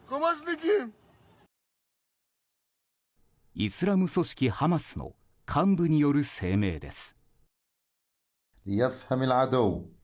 イスラム組織ハマスの幹部による声明です。